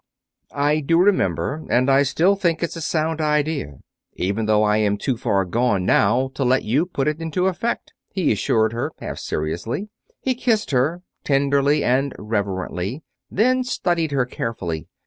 "I do remember, and I still think it's a sound idea, even though I am too far gone now to let you put it into effect," he assured her, half seriously. He kissed her, tenderly and reverently, then studied her carefully.